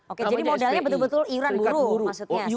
oke jadi modalnya betul betul iuran buruh maksudnya